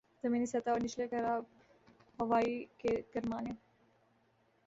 زمینی سطح اور نچلے کرۂ ہوائی کے گرمانے